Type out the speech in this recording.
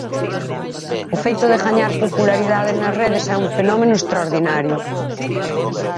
O feito de gañar popularidade nas redes é un fenómeno extraordinario.